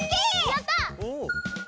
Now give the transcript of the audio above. やった！